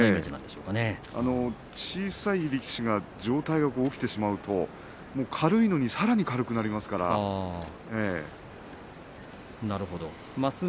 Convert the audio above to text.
小さい力士は上体が起きてしまいますと軽いのにさらに軽くなってしまいます。